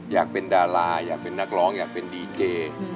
อยากเป็นดาราอยากเป็นนักร้องอยากเป็นดีเจ